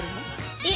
えっ。